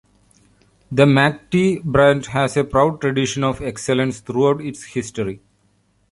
The McT Band has a proud tradition of excellence throughout its history.